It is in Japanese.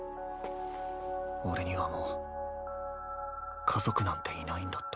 俺にはもう家族なんていないんだった。